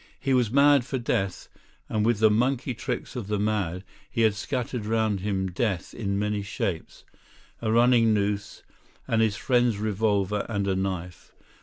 He was mad for death, and with the monkey tricks of the mad he had scattered round him death in many shapes a running noose and his friend's revolver and a knife.